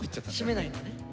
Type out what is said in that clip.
閉めないんだね。